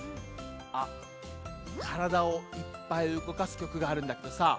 あっからだをいっぱいうごかすきょくがあるんだけどさ